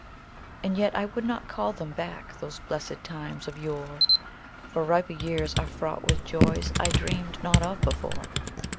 And yet I would not call them back, those blessed times of yore, For riper years are fraught with joys I dreamed not of before.